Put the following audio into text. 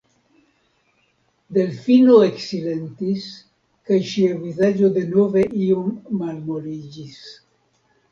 Delfino eksilentis, kaj ŝia vizaĝo denove iom malmoliĝis.